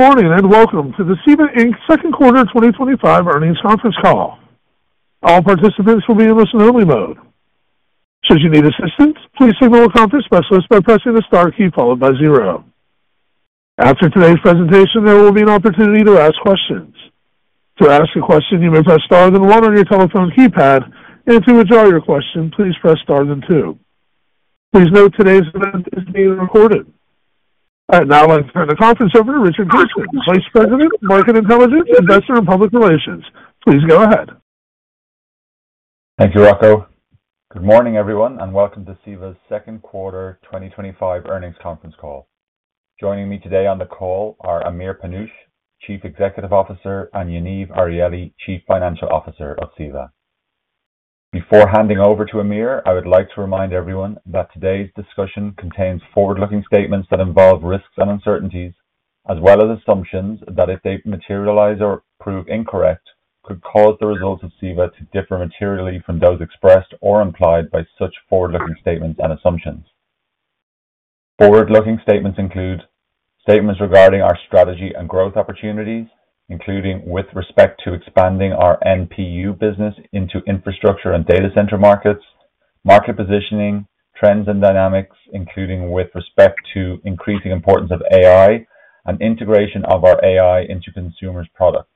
Good morning and welcome to the CEVA Inc. Second Quarter 2025 Earnings Conference Call. All participants will be in listen-only mode. Should you need assistance, please signal a conference specialist by pressing the star key followed by zero. After today's presentation, there will be an opportunity to ask questions. To ask a question, you may press star and one on your telephone keypad, and if you withdraw your question, please press star and two. Please note today's event is being recorded. All right, now I'd like to turn the conference over to Richard Kingston, Vice President, Market Intelligence, Investor, and Public Relations. Please go ahead. Thank you, Rocco. Good morning, everyone, and welcome to CEVA's Second Quarter 2025 Earnings Conference Call. Joining me today on the call are Amir Panush, Chief Executive Officer, and Yaniv Arieli, Chief Financial Officer of CEVA. Before handing over to Amir, I would like to remind everyone that today's discussion contains forward-looking statements that involve risks and uncertainties, as well as assumptions that if they materialize or prove incorrect, could cause the results of CEVA to differ materially from those expressed or implied by such forward-looking statements and assumptions. Forward-looking statements include statements regarding our strategy and growth opportunities, including with respect to expanding our NPU business into infrastructure and data center markets, market positioning, trends and dynamics, including with respect to increasing importance of AI and integration of our AI into consumers' products,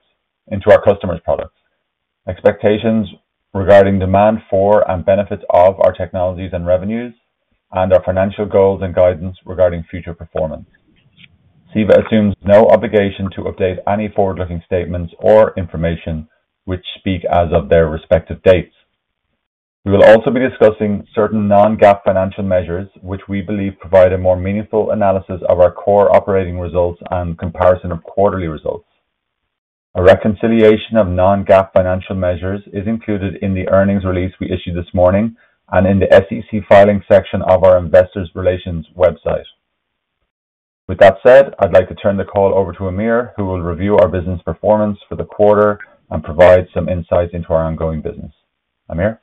into our customers' products, expectations regarding demand for and benefits of our technologies and revenues, and our financial goals and guidance regarding future performance. CEVA assumes no obligation to update any forward-looking statements or information which speak as of their respective dates. We will also be discussing certain non-GAAP financial measures, which we believe provide a more meaningful analysis of our core operating results and comparison of quarterly results. A reconciliation of non-GAAP financial measures is included in the earnings release we issued this morning and in the SEC filing section of our Investors Relations website. With that said, I'd like to turn the call over to Amir, who will review our business performance for the quarter and provide some insights into our ongoing business. Amir?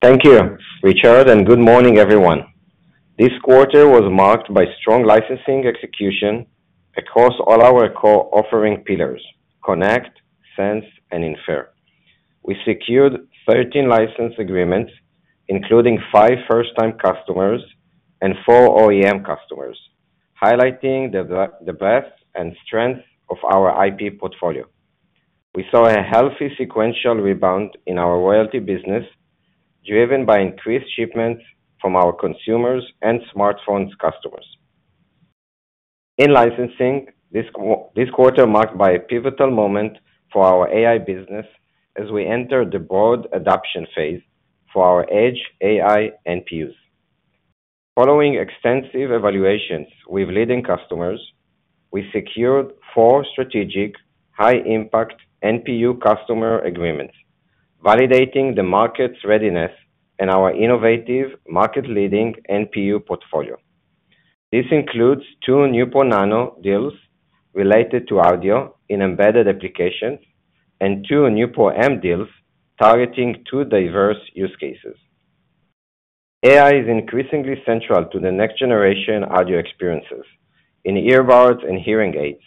Thank you, Richard, and good morning, everyone. This quarter was marked by strong licensing execution across all our core offering pillars: Connect, Sense, and Infer. We secured 13 license agreements, including five first-time customers and four OEM customers, highlighting the breadth and strength of our IP portfolio. We saw a healthy sequential rebound in our royalty business, driven by increased shipments from our consumer and smartphone customers. In licensing, this quarter was marked by a pivotal moment for our AI business as we entered the broad adoption phase for our edge AI NPUs. Following extensive evaluations with leading customers, we secured four strategic, high-impact NPU customer agreements, validating the market's readiness and our innovative, market-leading NPU portfolio. This includes two NPU Nano deals related to audio in embedded applications and two NPU M deals targeting two diverse use cases. AI is increasingly central to the next-generation audio experiences. In earbuds and hearing aids,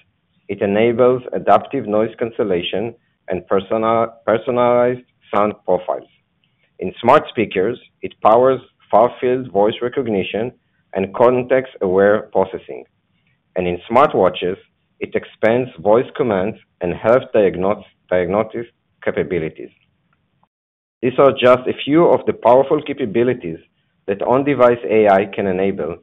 it enables adaptive noise cancellation and personalized sound profiles. In smart speakers, it powers far-field voice recognition and context-aware processing. In smartwatches, it expands voice commands and health diagnosis capabilities. These are just a few of the powerful capabilities that on-device AI can enable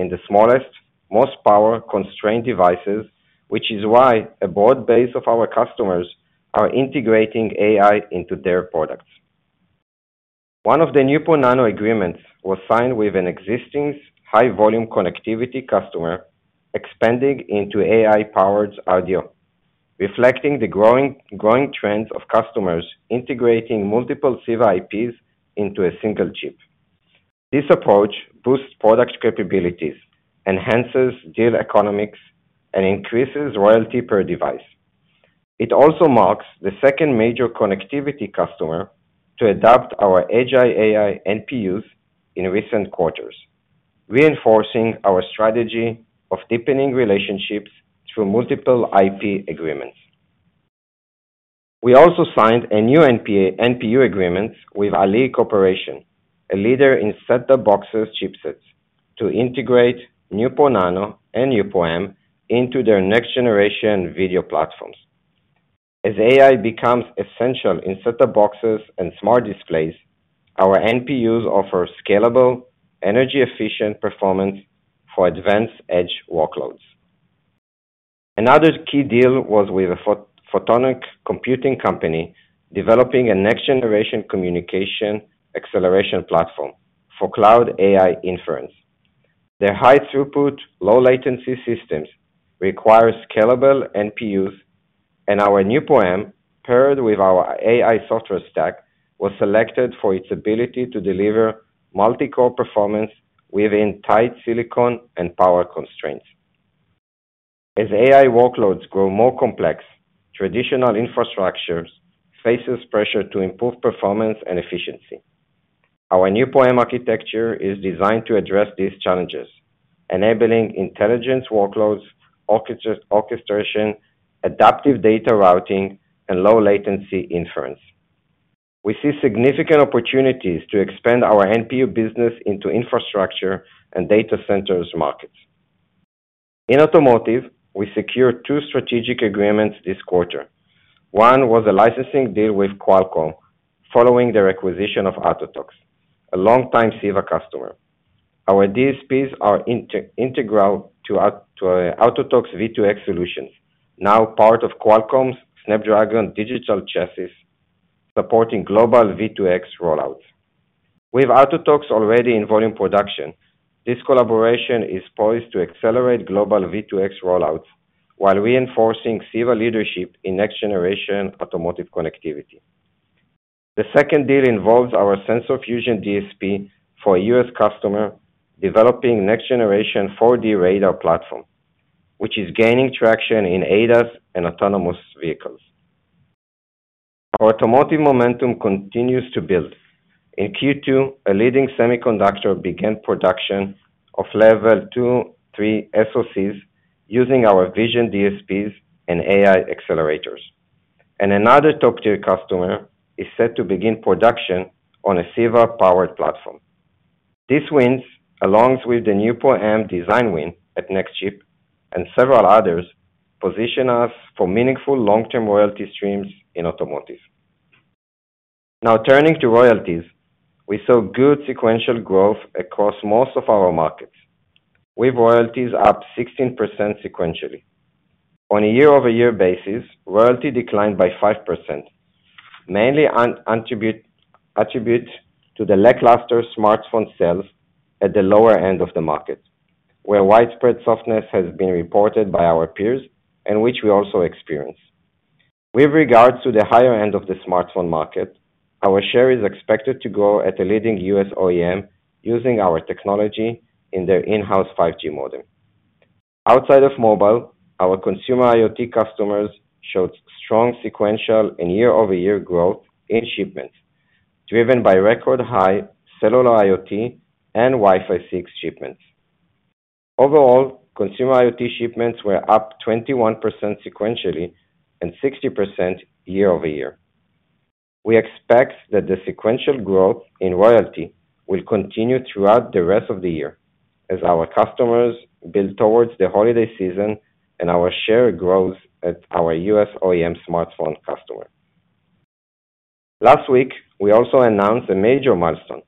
in the smallest, most power-constrained devices, which is why a broad base of our customers are integrating AI into their products. One of the NPU Nano agreements was signed with an existing high-volume connectivity customer expanding into AI-powered audio, reflecting the growing trends of customers integrating multiple CEVA IPs into a single chip. This approach boosts product capabilities, enhances deal economics, and increases royalty per device. It also marks the second major connectivity customer to adopt our edge AI NPUs in recent quarters, reinforcing our strategy of deepening relationships through multiple IP agreements. We also signed a new NPU agreement with ALi Corporation, a leader in set-top box chipsets, to integrate NPU Nano and NPU M into their next-generation video platforms. As AI becomes essential in set-top boxes and smart displays, our NPUs offer scalable, energy-efficient performance for advanced edge workloads. Another key deal was with a photonic computing company developing a next-generation communication acceleration platform for cloud AI inference. Their high-throughput, low-latency systems require scalable NPUs, and our NPU M, paired with our AI software stack, was selected for its ability to deliver multi-core performance within tight silicon and power constraints. As AI workloads grow more complex, traditional infrastructure faces pressure to improve performance and efficiency. Our NPU M architecture is designed to address these challenges, enabling intelligence workloads, orchestration, adaptive data routing, and low-latency inference. We see significant opportunities to expand our NPU business into infrastructure and data centers markets. In automotive, we secured two strategic agreements this quarter. One was a licensing deal with Qualcomm following the acquisition of Autotalks, a long-time CEVA customer. Our DSPs are integral to Autotalks' V2X solutions, now part of Qualcomm's Snapdragon digital chassis, supporting global V2X rollouts. With Autotalks already in volume production, this collaboration is poised to accelerate global V2X rollouts while reinforcing CEVA leadership in next-generation automotive connectivity. The second deal involves our sensor fusion DSP for a U.S. customer developing a next-generation 4D radar platform, which is gaining traction in ADAS and autonomous vehicles. Our automotive momentum continues to build. In Q2, a leading semiconductor began production of Level 2/3 SoCs using our Vision DSPs and AI accelerators. Another top-tier customer is set to begin production on a CEVA-powered platform. These wins, along with the NPU M design win at NextChip and several others, position us for meaningful long-term royalty streams in automotive. Now turning to royalties, we saw good sequential growth across most of our markets, with royalties up 16% sequentially. On a year-over-year basis, royalty declined by 5%, mainly attributed to the lackluster smartphone sales at the lower end of the market, where widespread softness has been reported by our peers and which we also experience. With regards to the higher end of the smartphone market, our share is expected to grow at a leading U.S. OEM using our technology in their in-house 5G modem. Outside of mobile, our consumer IoT customers showed strong sequential and year-over-year growth in shipments, driven by record-high cellular IoT and Wi-Fi 6 shipments. Overall, consumer IoT shipments were up 21% sequentially and 60% year-over-year. We expect that the sequential growth in royalty will continue throughout the rest of the year as our customers build towards the holiday season and our share grows at our U.S. OEM smartphone customers. Last week, we also announced a major milestone: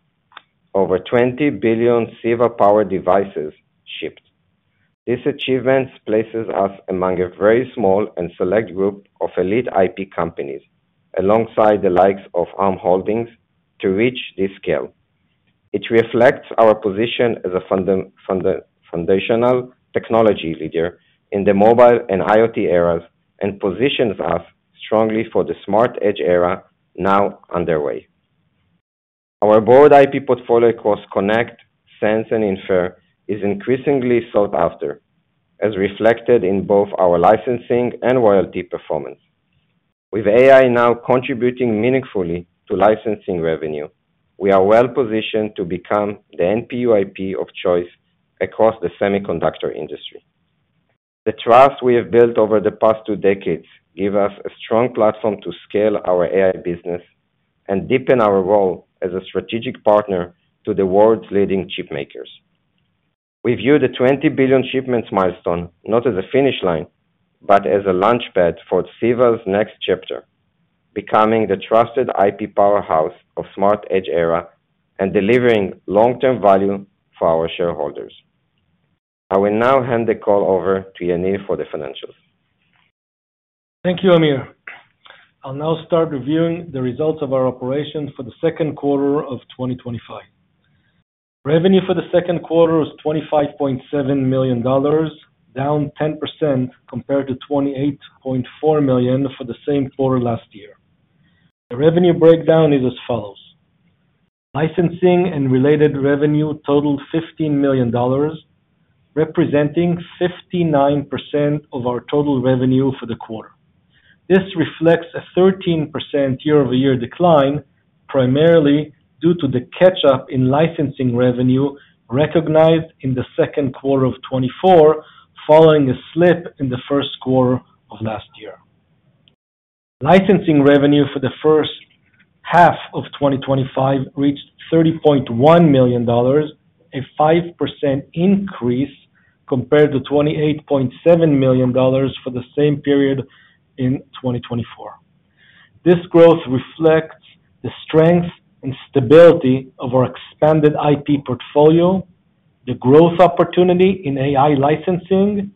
over 20 billion CEVA-powered devices shipped. This achievement places us among a very small and select group of elite IP companies, alongside the likes of Arm Holdings, to reach this scale. It reflects our position as a foundational technology leader in the mobile and IoT eras and positions us strongly for the smart edge era now underway. Our broad IP portfolio across Connect, Sense, and Infer is increasingly sought after, as reflected in both our licensing and royalty performance. With AI now contributing meaningfully to licensing revenue, we are well positioned to become the NPU IP of choice across the semiconductor industry. The trust we have built over the past two decades gives us a strong platform to scale our AI business and deepen our role as a strategic partner to the world's leading chipmakers. We view the 20 billion shipments milestone not as a finish line, but as a launchpad for CEVA's next chapter, becoming the trusted IP powerhouse of the smart edge era and delivering long-term value for our shareholders. I will now hand the call over to Yaniv for the financials. Thank you, Amir. I'll now start reviewing the results of our operations for the second quarter of 2025. Revenue for the second quarter was $25.7 million, down 10% compared to $28.4 million for the same quarter last year. The revenue breakdown is as follows: Licensing and related revenue totaled $15 million, representing 59% of our total revenue for the quarter. This reflects a 13% year-over-year decline, primarily due to the catch-up in licensing revenue recognized in the second quarter of 2024, following a slip in the first quarter of last year. Licensing revenue for the first half of 2025 reached $30.1 million, a 5% increase compared to $28.7 million for the same period in 2024. This growth reflects the strength and stability of our expanded IP portfolio, the growth opportunity in AI licensing,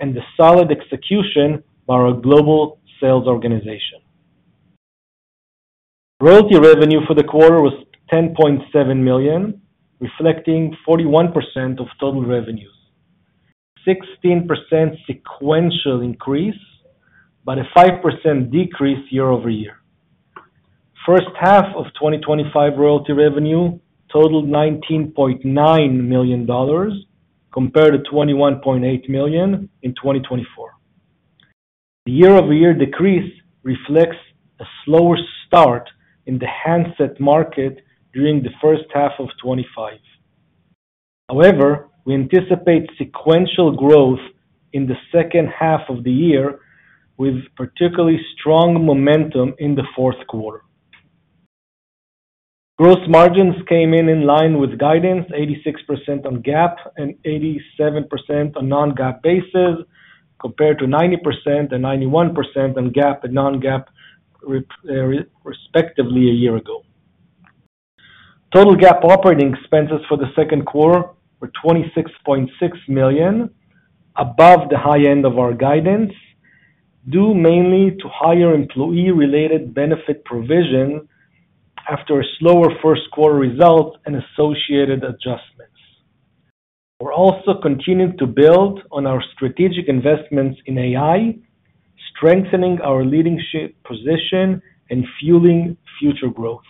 and the solid execution by our global sales organization. Royalty revenue for the quarter was $10.7 million, reflecting 41% of total revenues, a 16% sequential increase, but a 5% decrease year-over-year. The first half of 2025 royalty revenue totaled $19.9 million compared to $21.8 million in 2024. The year-over-year decrease reflects a slower start in the handset market during the first half of 2025. However, we anticipate sequential growth in the second half of the year, with particularly strong momentum in the fourth quarter. Gross margins came in in line with guidance: 86% on GAAP and 87% on non-GAAP basis, compared to 90% and 91% on GAAP and non-GAAP, respectively, a year ago. Total GAAP operating expenses for the second quarter were $26.6 million, above the high end of our guidance, due mainly to higher employee-related benefit provision after a slower first-quarter result and associated adjustments. We're also continuing to build on our strategic investments in AI, strengthening our leadership position and fueling future growth.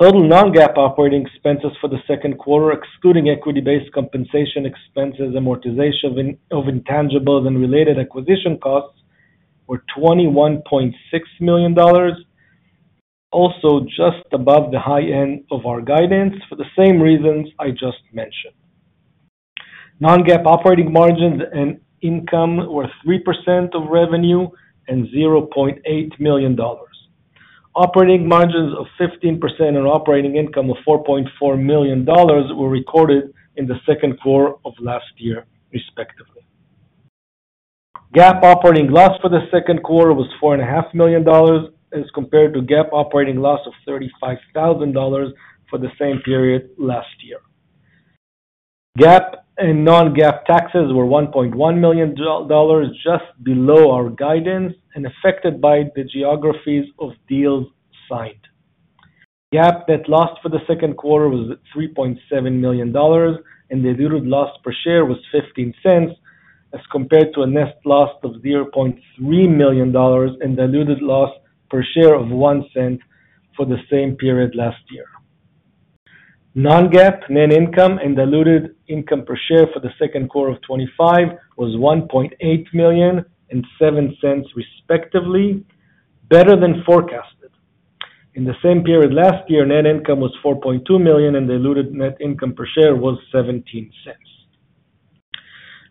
Total non-GAAP operating expenses for the second quarter, excluding equity-based compensation expenses, amortization of intangibles, and related acquisition costs, were $21.6 million, also just above the high end of our guidance for the same reasons I just mentioned. Non-GAAP operating margins and income were 3% of revenue and $0.8 million. Operating margins of 15% and operating income of $4.4 million were recorded in the second quarter of last year, respectively. GAAP operating loss for the second quarter was $4.5 million, as compared to GAAP operating loss of $35,000 for the same period last year. GAAP and non-GAAP taxes were $1.1 million, just below our guidance and affected by the geographies of deals signed. GAAP net loss for the second quarter was $3.7 million, and diluted loss per share was $0.15, as compared to a net loss of $0.3 million and diluted loss per share of $0.01 for the same period last year. Non-GAAP net income and diluted income per share for the second quarter of 2025 was $1.8 million and $0.07, respectively, better than forecasted. In the same period last year, net income was $4.2 million and diluted net income per share was $0.17.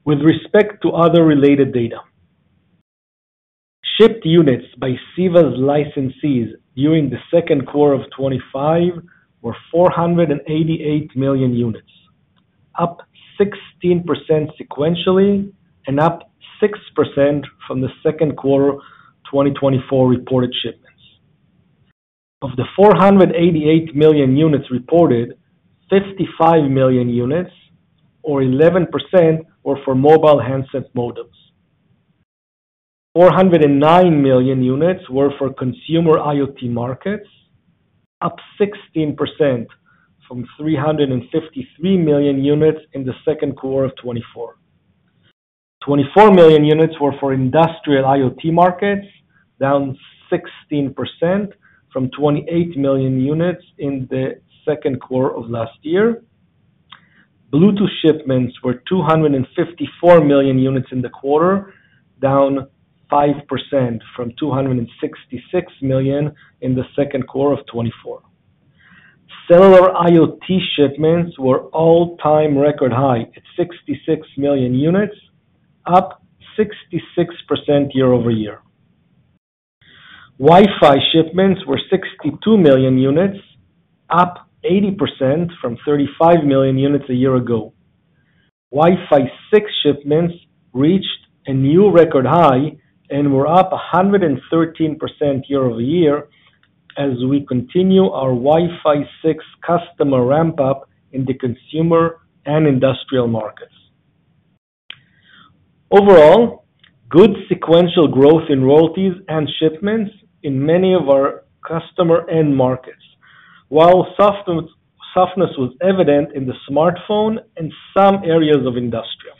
With respect to other related data, shipped units by CEVA's licensees during the second quarter of 2025 were 488 million units, up 16% sequentially and up 6% from the second quarter 2024 reported shipments. Of the 488 million units reported, 55 million units, or 11%, were for mobile handset models. 409 million units were for consumer IoT markets, up 16% from 353 million units in the second quarter of 2024. 24 million units were for industrial IoT markets, down 16% from 28 million units in the second quarter of last year. Bluetooth shipments were 254 million units in the quarter, down 5% from 266 million in the second quarter of 2024. Cellular IoT shipments were all-time record high at 66 million units, up 66% year-over-year. Wi-Fi shipments were 62 million units, up 80% from 35 million units a year ago. Wi-Fi 6 shipments reached a new record high and were up 113% year-over-year as we continue our Wi-Fi 6 customer ramp-up in the consumer and industrial markets. Overall, good sequential growth in royalties and shipments in many of our customer end markets, while softness was evident in the smartphone and some areas of industrial.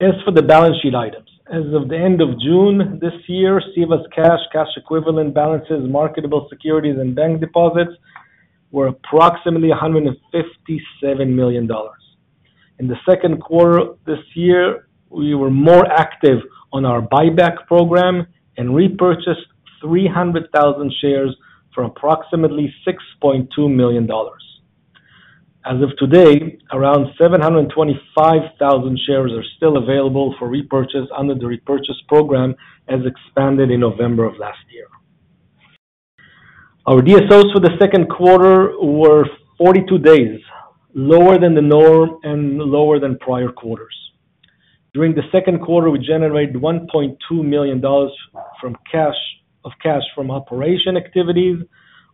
As for the balance sheet items, as of the end of June this year, CEVA's cash, cash equivalent balances, marketable securities, and bank deposits were approximately $157 million. In the second quarter of this year, we were more active on our buyback program and repurchased 300,000 shares for approximately $6.2 million. As of today, around 725,000 shares are still available for repurchase under the repurchase program, as expanded in November of last year. Our DSOs for the second quarter were 42 days, lower than the norm and lower than prior quarters. During the second quarter, we generated $1.2 million from cash from operation activities.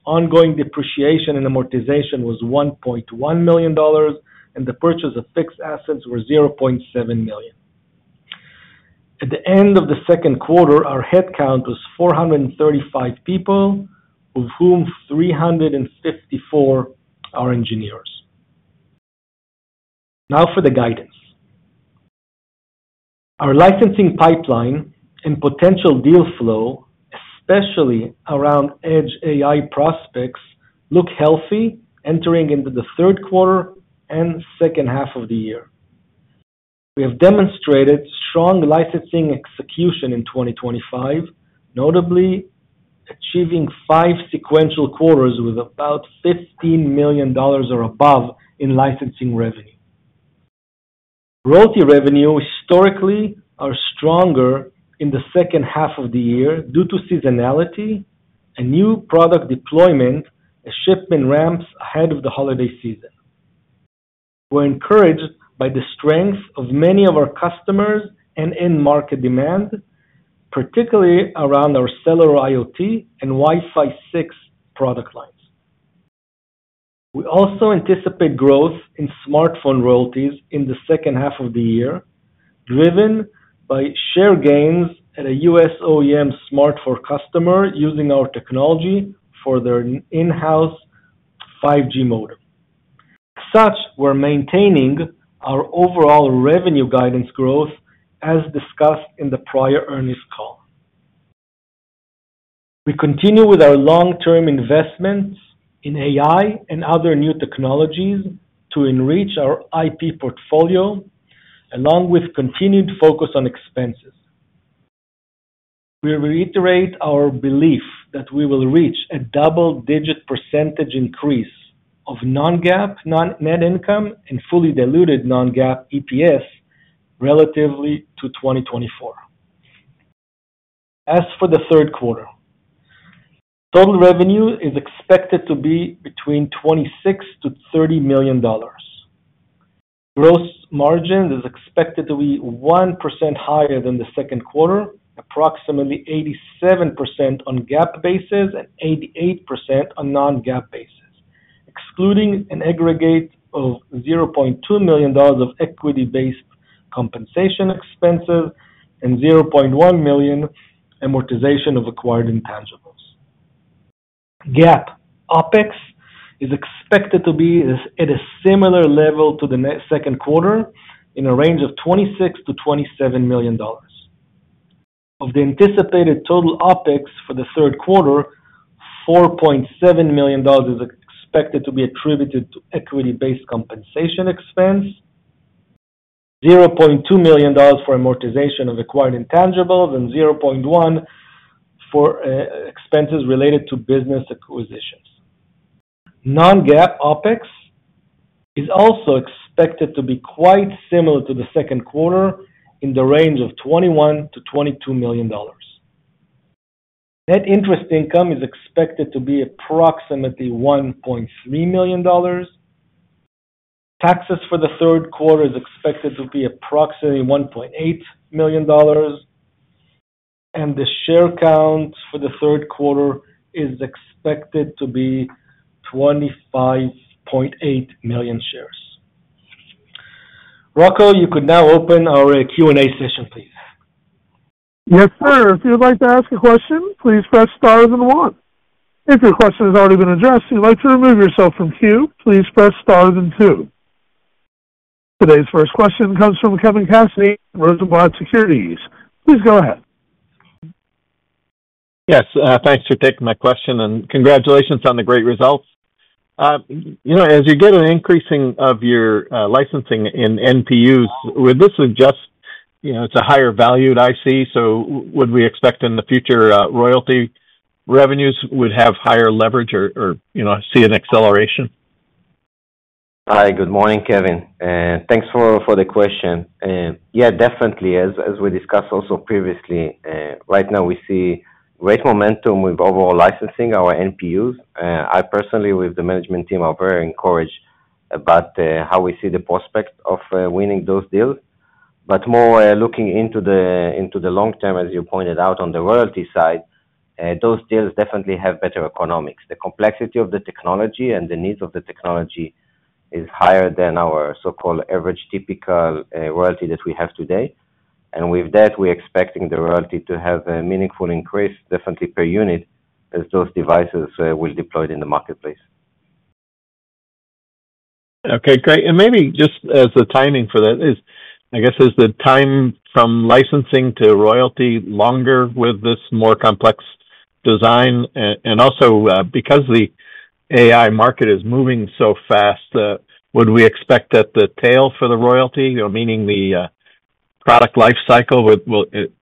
Ongoing depreciation and amortization was $1.1 million, and the purchase of fixed assets were $0.7 million. At the end of the second quarter, our headcount was 435 people, of whom 354 are engineers. Now for the guidance. Our licensing pipeline and potential deal flow, especially around edge AI prospects, look healthy entering into the third quarter and second half of the year. We have demonstrated strong licensing execution in 2025, notably achieving five sequential quarters with about $15 million or above in licensing revenue. Royalty revenue historically is stronger in the second half of the year due to seasonality and new product deployment as shipment ramps ahead of the holiday season. We're encouraged by the strength of many of our customers and end-market demand, particularly around our cellular IoT and Wi-Fi 6 product lines. We also anticipate growth in smartphone royalties in the second half of the year, driven by share gains at a U.S. OEM smartphone customer using our technology for their in-house 5G modem. As such, we're maintaining our overall revenue guidance growth as discussed in the prior earnings call. We continue with our long-term investments in AI and other new technologies to enrich our IP portfolio, along with continued focus on expenses. We reiterate our belief that we will reach a double-digit percentage increase of non-GAAP net income and fully diluted non-GAAP EPS relative to 2024. As for the third quarter, total revenue is expected to be between $26 million-$30 million. Gross margins are expected to be 1% higher than the second quarter, approximately 87% on GAAP basis and 88% on non-GAAP basis, excluding an aggregate of $0.2 million of equity-based compensation expenses and $0.1 million amortization of acquired intangibles. GAAP OpEx is expected to be at a similar level to the second quarter, in a range of $26 million-$27 million. Of the anticipated total OpEx for the third quarter, $4.7 million is expected to be attributed to equity-based compensation expense, $0.2 million for amortization of acquired intangibles, and $0.1 million for expenses related to business acquisitions. Non-GAAP OpEx is also expected to be quite similar to the second quarter, in the range of $21 million-$22 million. Net interest income is expected to be approximately $1.3 million. Taxes for the third quarter are expected to be approximately $1.8 million, and the share count for the third quarter is expected to be 25.8 million shares. Rocco, you could now open our Q&A session, please. Yes, sir. If you'd like to ask a question, please press star and one. If your question has already been addressed and you'd like to remove yourself from queue, please press star and two. Today's first question comes from Kevin Cassidy from Rosenblatt Securities. Please go ahead. Yes, thanks for taking my question and congratulations on the great results. As you get an increase of your licensing in NPUs, would this suggest it's a higher valued IC? Would we expect in the future royalty revenues would have higher leverage or see an acceleration? Hi, good morning, Kevin. Thanks for the question. Yeah, definitely, as we discussed also previously, right now we see great momentum with overall licensing our NPUs. I personally, with the management team, am very encouraged about how we see the prospect of winning those deals. More looking into the long term, as you pointed out on the royalty side, those deals definitely have better economics. The complexity of the technology and the needs of the technology is higher than our so-called average typical royalty that we have today. With that, we're expecting the royalty to have a meaningful increase, definitely per unit, as those devices will be deployed in the marketplace. Okay, great. Maybe just as the timing for that is, I guess, is the time from licensing to royalty longer with this more complex design? Also, because the AI market is moving so fast, would we expect that the tail for the royalty, meaning the product lifecycle,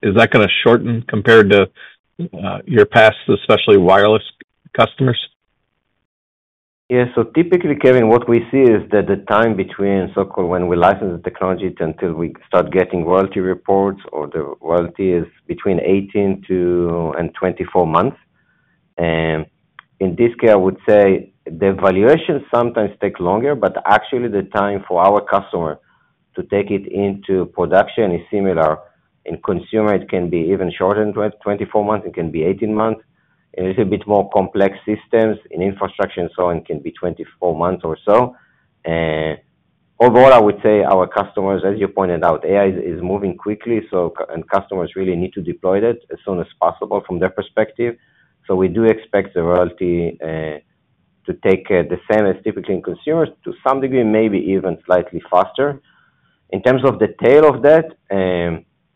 is that going to shorten compared to your past, especially wireless customers? Yeah, so typically, Kevin, what we see is that the time between so-called when we license the technology until we start getting royalty reports or the royalty is between 18 to 24 months. In this case, I would say the valuation sometimes takes longer, but actually the time for our customer to take it into production is similar. In consumer, it can be even shorter, 24 months, it can be 18 months. In a little bit more complex systems in infrastructure and so on, it can be 24 months or so. Overall, I would say our customers, as you pointed out, AI is moving quickly, so customers really need to deploy that as soon as possible from their perspective. We do expect the royalty to take the same as typically in consumers, to some degree, maybe even slightly faster. In terms of the tail of that,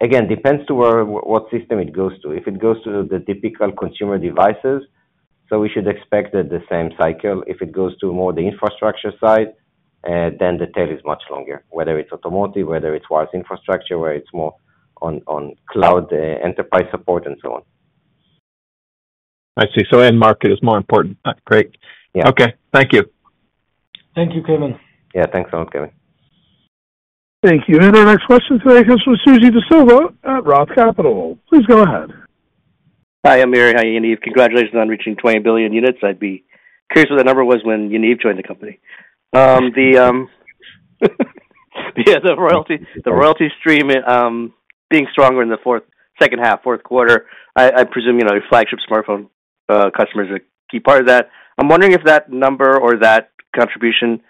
again, it depends on what system it goes to. If it goes to the typical consumer devices, we should expect that the same cycle. If it goes to more the infrastructure side, then the tail is much longer, whether it's automotive, whether it's wireless infrastructure, whether it's more on cloud enterprise support and so on. I see, so end market is more important. Great. Yeah. Okay, thank you. Thank you, Kevin. Yeah. Thanks a lot, Kevin. Thank you. Our next question today comes from Suji Desilva at ROTH Capital. Please go ahead. Hi, Amir. Hi, Yaniv. Congratulations on reaching 20 billion units. I'd be curious what the number was when Yaniv joined the company. Yeah, the royalty stream being stronger in the second half, fourth quarter. I presume, you know, flagship smartphone customers are a key part of that. I'm wondering if that number or that contribution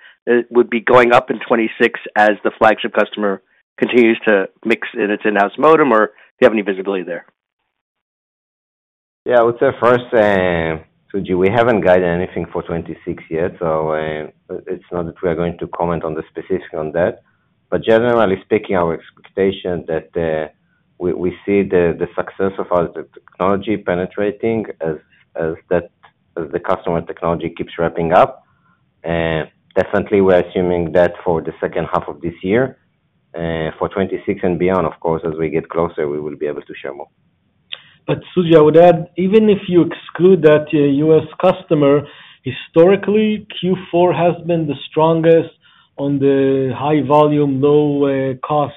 would be going up in 2026 as the flagship customer continues to mix in its in-house modem, or do you have any visibility there? Yeah, with that first, and Suji, we haven't guided anything for 2026 yet, so it's not that we are going to comment on the specifics on that. Generally speaking, our expectation is that we see the success of our technology penetrating as the customer technology keeps ramping up. Definitely, we're assuming that for the second half of this year. For 2026 and beyond, of course, as we get closer, we will be able to share more. Suji, I would add, even if you exclude that U.S. customer, historically, Q4 has been the strongest on the high volume, low cost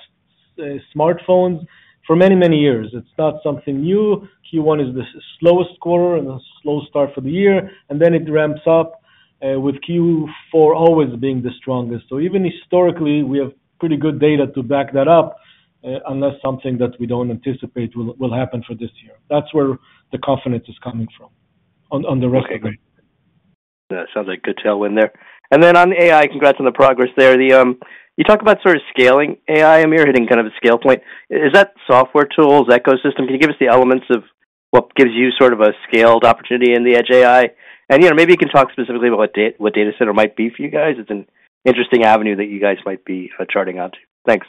smartphones for many, many years. It's not something new. Q1 is the slowest quarter and the slowest start for the year, and it ramps up with Q4 always being the strongest. Even historically, we have pretty good data to back that up unless something that we don't anticipate will happen for this year. That's where the confidence is coming from on the rest of the group. That sounds like a good tailwind there. On AI, congrats on the progress there. You talk about sort of scaling AI, Amir, hitting kind of a scale point. Is that software tools, ecosystem? Can you give us the elements of what gives you sort of a scaled opportunity in the edge AI? Maybe you can talk specifically about what data center might be for you guys. It's an interesting avenue that you guys might be charting onto. Thanks.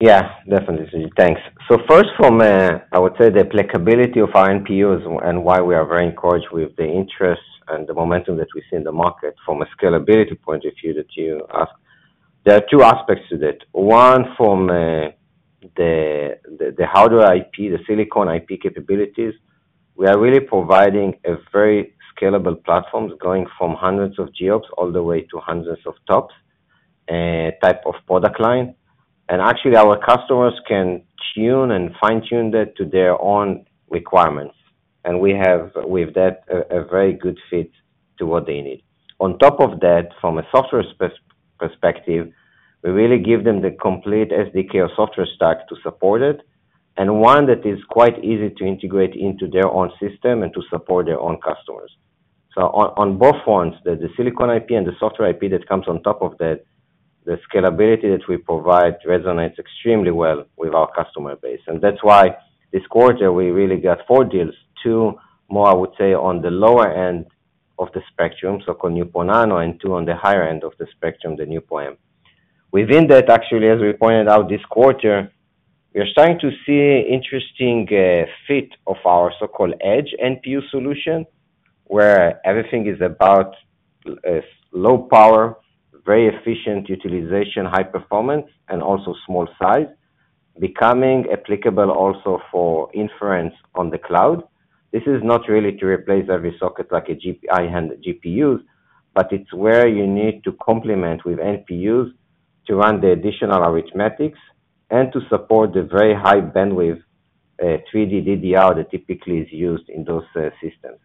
Yeah, definitely, Suji. Thanks. First, from the applicability of our NPUs and why we are very encouraged with the interest and the momentum that we see in the market from a scalability point of view that you asked, there are two aspects to that. One, from the hardware IP, the silicon IP capabilities, we are really providing a very scalable platform going from hundreds of GOPS all the way to hundreds of TOPS type of product line. Actually, our customers can tune and fine-tune that to their own requirements, and we have, with that, a very good fit to what they need. On top of that, from a software perspective, we really give them the complete SDK or software stack to support it, and one that is quite easy to integrate into their own system and to support their own customers. On both fronts, the silicon IP and the software IP that comes on top of that, the scalability that we provide resonates extremely well with our customer base. That's why this quarter we really got four deals, two more, I would say, on the lower end of the spectrum, so-called NPU Nano, and two on the higher end of the spectrum, the NPU M. Within that, actually, as we pointed out this quarter, we are starting to see an interesting fit of our so-called edge NPU solution, where everything is about low power, very efficient utilization, high performance, and also small size, becoming applicable also for inference on the cloud. This is not really to replace every socket like a GPU, but it's where you need to complement with NPUs to run the additional arithmetics and to support the very high bandwidth 3D DDR that typically is used in those systems.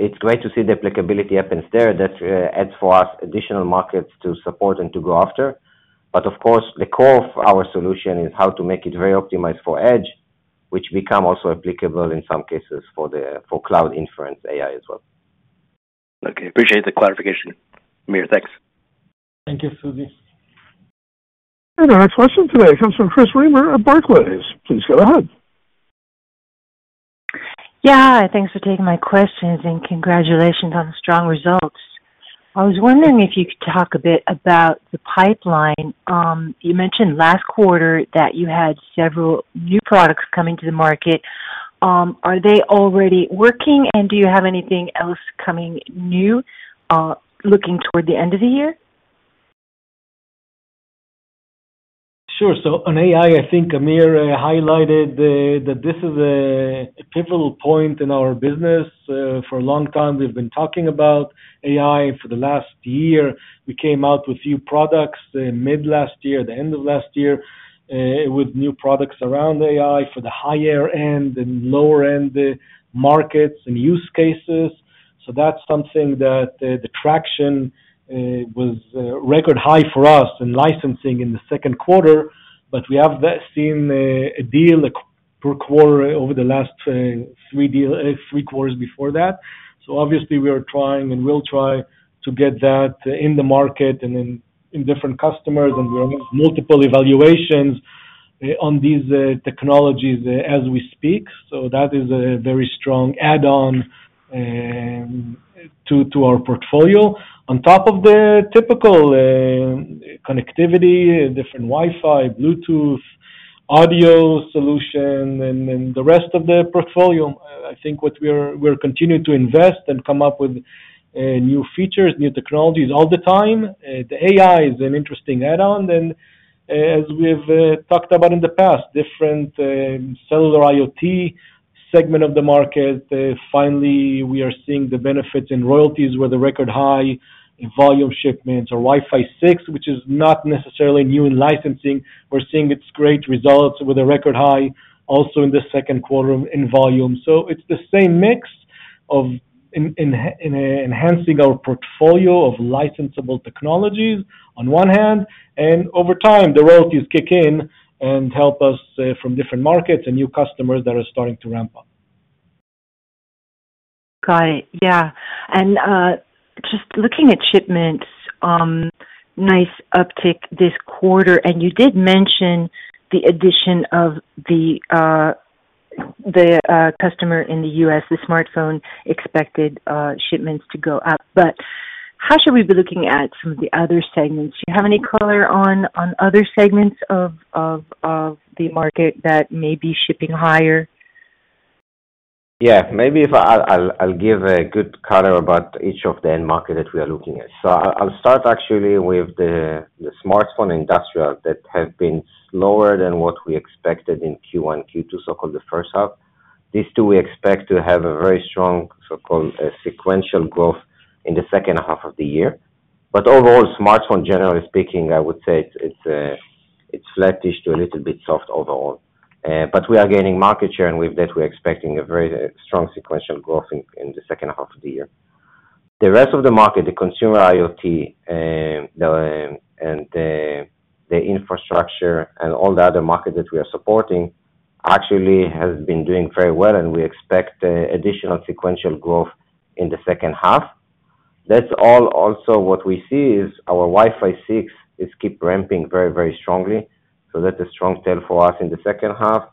It's great to see the applicability happens there. That adds for us additional markets to support and to go after. Of course, the core of our solution is how to make it very optimized for edge, which becomes also applicable in some cases for cloud inference AI as well. Okay, appreciate the clarification, Amir. Thanks. Thank you, Suji. Our next question today comes from Chris Reimer at Barclays. Please go ahead. Thanks for taking my questions and congratulations on the strong results. I was wondering if you could talk a bit about the pipeline. You mentioned last quarter that you had several new products coming to the market. Are they already working and do you have anything else coming new looking toward the end of the year? Sure. On AI, I think Amir highlighted that this is a pivotal point in our business. For a long time, we've been talking about AI for the last year. We came out with a few products mid-last year, the end of last year, with new products around AI for the higher end and lower end markets and use cases. That's something that the traction was record high for us in licensing in the second quarter. We have seen a deal per quarter over the last three quarters before that. Obviously, we are trying and will try to get that in the market and in different customers. We are in multiple evaluations on these technologies as we speak. That is a very strong add-on to our portfolio. On top of the typical connectivity, different Wi-Fi, Bluetooth, audio solution, and the rest of the portfolio, I think we're continuing to invest and come up with new features, new technologies all the time. The AI is an interesting add-on. As we've talked about in the past, different cellular IoT segment of the market, finally, we are seeing the benefits in royalties with a record high in volume shipments or Wi-Fi 6, which is not necessarily new in licensing. We're seeing great results with a record high also in the second quarter in volume. It's the same mix of enhancing our portfolio of licensable technologies on one hand, and over time, the royalties kick in and help us from different markets and new customers that are starting to ramp up. Got it. Yeah. Just looking at shipments, nice uptick this quarter. You did mention the addition of the customer in the United States, the smartphone expected shipments to go up. How should we be looking at some of the other segments? Do you have any color on other segments of the market that may be shipping higher? Yeah, maybe if I'll give a good color about each of the end markets that we are looking at. I'll start actually with the smartphone industrial that has been lower than what we expected in Q1 and Q2, so-called the first half. These two, we expect to have a very strong sequential growth in the second half of the year. Overall, smartphone, generally speaking, I would say it's flattish to a little bit soft overall. We are gaining market share, and with that, we're expecting a very strong sequential growth in the second half of the year. The rest of the market, the consumer IoT and the infrastructure and all the other markets that we are supporting actually have been doing very well, and we expect additional sequential growth in the second half. That's all also what we see is our WiFi 6 keeps ramping very, very strongly. That's a strong tale for us in the second half,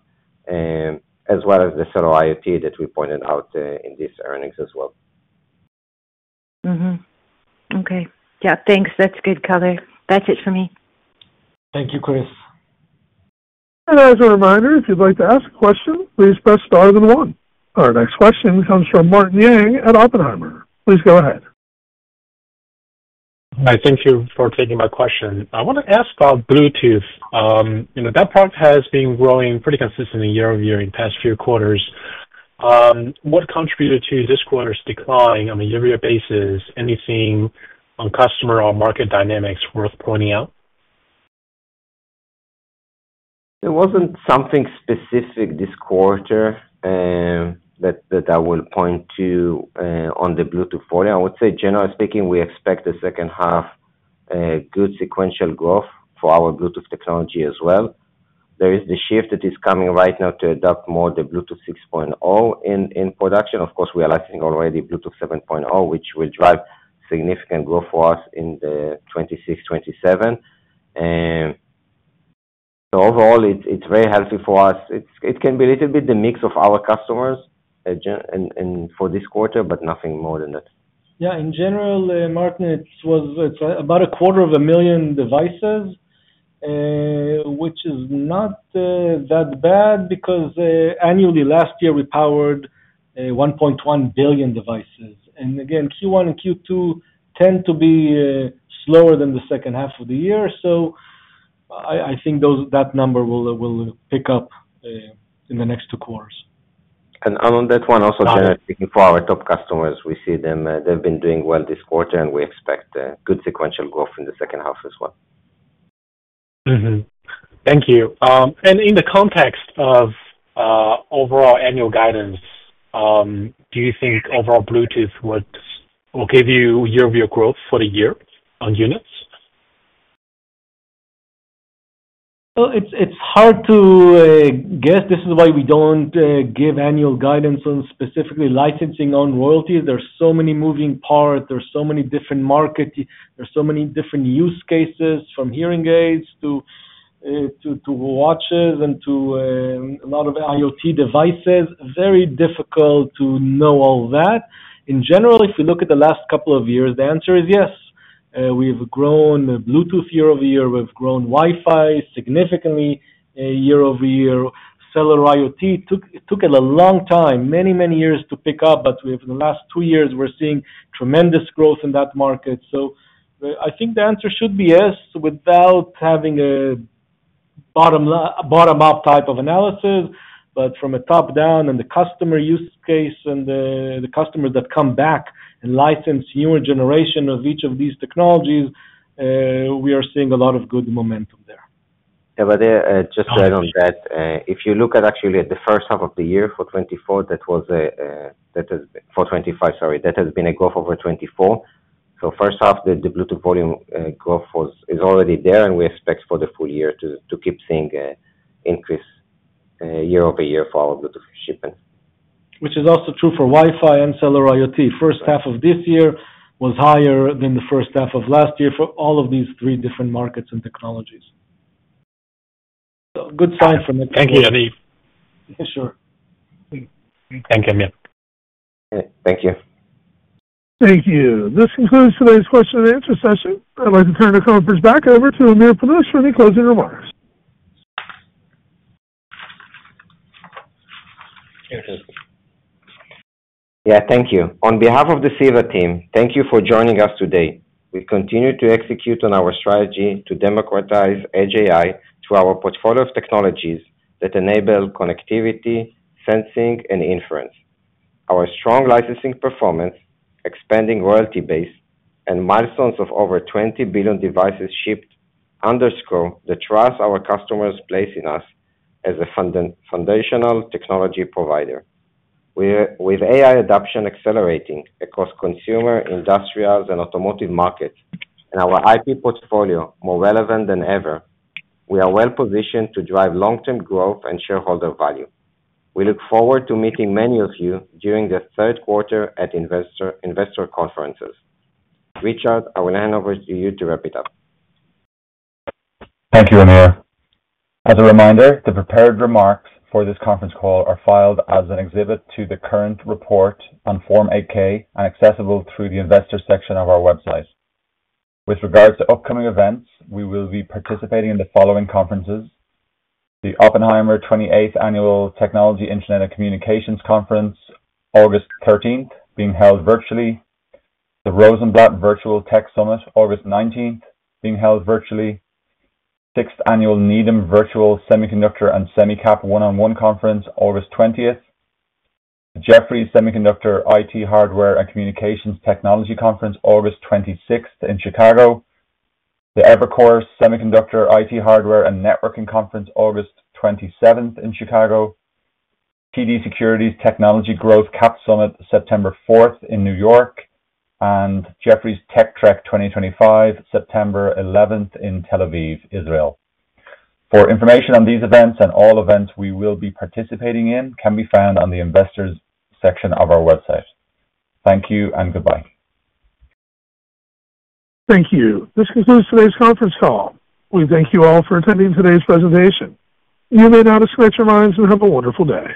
as well as the cellular IoT that we pointed out in these earnings as well. Okay. Yeah, thanks. That's good color. That's it for me. Thank you, Chris. As a reminder, if you'd like to ask a question, please press star and one. Our next question comes from Martin Yang at Oppenheimer. Please go ahead. Hi, thank you for taking my question. I want to ask about Bluetooth. You know, that part has been growing pretty consistently year over year in the past few quarters. What contributed to this quarter's decline on a year-over-year basis? Anything on customer or market dynamics worth pointing out? It wasn't something specific this quarter that I will point to on the Bluetooth for you. I would say, generally speaking, we expect the second half good sequential growth for our Bluetooth technology as well. There is the shift that is coming right now to adopt more the Bluetooth 6.0 in production. Of course, we are licensing already Bluetooth 7.0, which will drive significant growth for us in 2026, 2027. Overall, it's very healthy for us. It can be a little bit the mix of our customers for this quarter, but nothing more than that. Yeah, in general, Martin, it's about a quarter of a million devices, which is not that bad because annually, last year, we powered 1.1 billion devices. Q1 and Q2 tend to be lower than the second half of the year. I think that number will pick up in the next two quarters. On that one, also generally speaking for our top customers, we see them have been doing well this quarter, and we expect good sequential growth in the second half as well. Thank you. In the context of overall annual guidance, do you think overall Bluetooth will give you year-over-year growth for the year on units? It is hard to guess. This is why we do not give annual guidance on specifically licensing on royalties. There are so many moving parts. There are so many different markets. There are so many different use cases from hearing aids to watches and to a lot of IoT devices. Very difficult to know all that. In general, if you look at the last couple of years, the answer is yes. We have grown Bluetooth year-over-year. We have grown Wi-Fi significantly year-over-year. Cellular IoT took a long time, many, many years to pick up. In the last two years, we are seeing tremendous growth in that market. I think the answer should be yes without having a bottom-up type of analysis. From a top-down and the customer use case and the customers that come back and license a newer generation of each of these technologies, we are seeing a lot of good momentum there. Yeah, just to add on that, if you look at actually the first half of the year for 2024, that was for 2025, sorry, that has been a growth over 2024. The first half, the Bluetooth volume growth is already there, and we expect for the full year to keep seeing an increase year-over-year for our Bluetooth shipment. Which is also true for Wi-Fi 6 and cellular IoT. First half of this year was higher than the first half of last year for all of these three different markets and technologies. Good sign from the customers. Thank you, Yaniv. Sure. Thank you, Amir. Thank you. Thank you. This concludes today's question and answer session. I'd like to turn the conference back over to Amir Panush for any closing remarks. Thank you. On behalf of the CEVA team, thank you for joining us today. We continue to execute on our strategy to democratize edge AI through our portfolio of technologies that enable connectivity, sensing, and inference. Our strong licensing performance, expanding royalty base, and milestones of over 20 billion devices shipped underscore the trust our customers place in us as a foundational technology provider. With AI adoption accelerating across consumer, industrial, and automotive markets, and our IP portfolio more relevant than ever, we are well positioned to drive long-term growth and shareholder value. We look forward to meeting many of you during the third quarter at investor conferences. Richard, I will hand over to you to wrap it up. Thank you, Amir. As a reminder, the prepared remarks for this conference call are filed as an exhibit to the current report on Form 8-K and accessible through the investor section of our website. With regards to upcoming events, we will be participating in the following conferences: the Oppenheimer 28th Annual Technology, Internet, and Communications Conference, August 13, being held virtually; the Rosenblatt Virtual Tech Summit, August 19, being held virtually; the sixth annual Needham Virtual Semiconductor and Semicap One-on-One Conference, August 20; the Jefferies Semiconductor IT Hardware and Communications Technology Conference, August 26 in Chicago; the Evercore Semiconductor IT Hardware and Networking Conference, August 27 in Chicago; PD Securities Technology Growth Cap Summit, September 4 in New York; and Jefferies TechTrack 2025, September 11 in Tel Aviv, Israel. Information on these events and all events we will be participating in can be found on the investors section of our website. Thank you and goodbye. Thank you. This concludes today's conference call. We thank you all for attending today's presentation. You may now disconnect your lines and have a wonderful day.